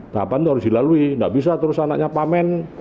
tahapan itu harus dilalui nggak bisa terus anaknya pamen